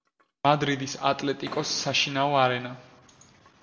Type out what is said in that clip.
მადრიდის „ატლეტიკოს“ საშინაო არენა.